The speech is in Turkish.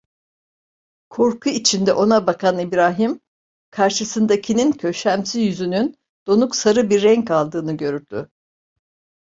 Korku içinde ona bakan İbrahim, karşısındakinin köşemsi yüzünün donuk sarı bir renk aldığını gördü.